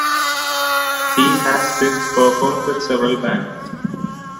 He has since performed with several bands.